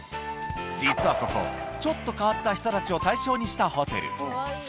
実はここ、ちょっと変わった人たちを対象にしたホテル。